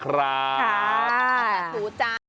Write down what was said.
ครับต้องกำลังการสู่จาน